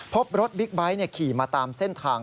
พบรถบิ๊กไบท์ขี่มาตามเส้นทาง